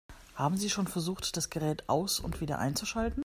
Haben Sie schon versucht, das Gerät aus- und wieder einzuschalten?